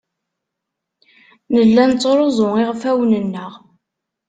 Nella nettruẓu iɣfawen-nneɣ.